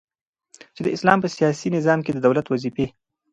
چي د اسلام په سیاسی نظام کی د دولت وظيفي.